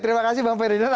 terima kasih bang ferdinand